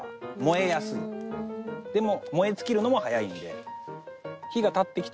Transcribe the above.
でも燃え尽きるのも早いので。